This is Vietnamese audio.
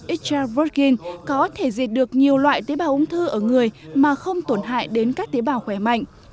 extravrogin có thể diệt được nhiều loại tế bào ung thư ở người mà không tổn hại đến các tế bào khỏe mạnh